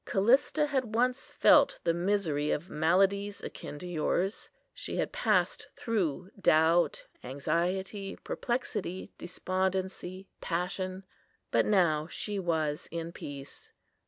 Callista had once felt the misery of maladies akin to yours. She had passed through doubt, anxiety, perplexity, despondency, passion; but now she was in peace.